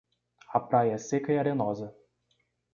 A praia é seca e arenosa.